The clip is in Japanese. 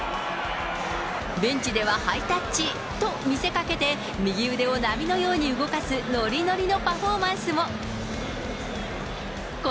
ベンチではハイタッチと見せかけて、右腕を波のように動かす乗り乗りのパフォーマンスを。